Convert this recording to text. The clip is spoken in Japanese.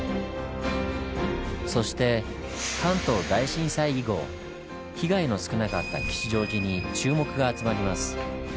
そして関東大震災以後被害の少なかった吉祥寺に注目が集まります。